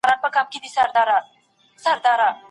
ذهن مو د زده کړې لپاره چمتو کړئ.